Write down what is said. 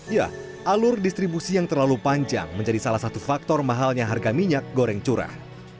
ya alur distribusi yang terlalu panjang menjadi salah satu faktor mahalnya harga minyak goreng curah